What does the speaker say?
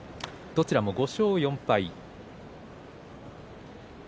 どちらも５勝４敗。